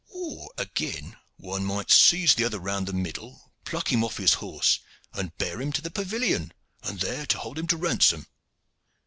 "Or, again, one might seize the other round the middle, pluck him off his horse and bear him to the pavilion, there to hold him to ransom."